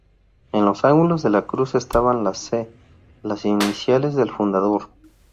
En los ángulos de la cruz estaban las "C", las iniciales del fundador.